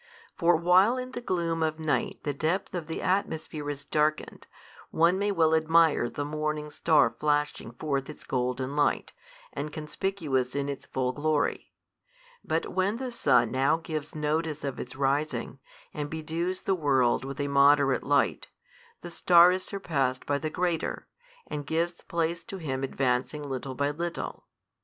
For while in the gloom of night the depth of the atmosphere is darkened, one may well admire the morning star flashing forth its golden light, and conspicuous in its full glory: but when the sun now gives notice of its rising, and bedews the world with a moderate light, the star is surpassed by the greater, and gives place to him advancing little by little.